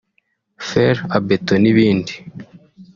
fer à béton n’ibindi